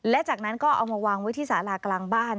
และจากนั้นก็เอามาวางไว้ที่สารากลางบ้าน